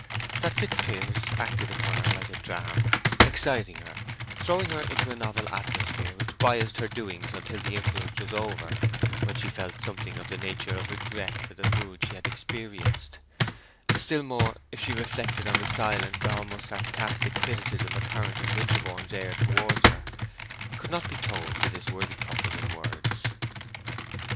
That Fitzpiers acted upon her like a dram, exciting her, throwing her into a novel atmosphere which biassed her doings until the influence was over, when she felt something of the nature of regret for the mood she had experienced—still more if she reflected on the silent, almost sarcastic, criticism apparent in Winterborne's air towards her—could not be told to this worthy couple in words.